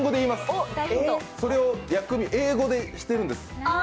それを英語でしてるんです。